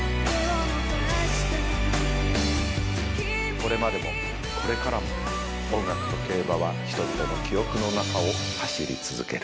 これまでもこれからも音楽と競馬は人々の記憶の中を走り続ける。